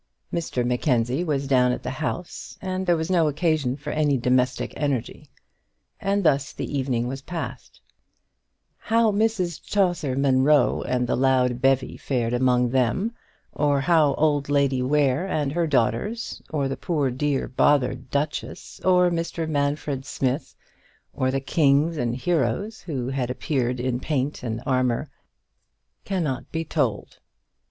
Mr Mackenzie was down at the House, and there was no occasion for any domestic energy. And thus the evening was passed. How Mrs Chaucer Munro and the loud bevy fared among them, or how old Lady Ware and her daughters, or the poor, dear, bothered duchess or Mr Manfred Smith, or the kings and heroes who had appeared in paint and armour, cannot be told.